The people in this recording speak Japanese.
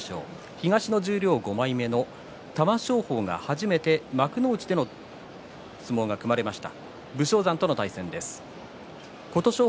東の十両５枚目の玉正鳳が初めて幕内での相撲が組まれました。